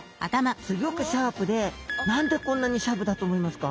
すギョくシャープで何でこんなにシャープだと思いますか？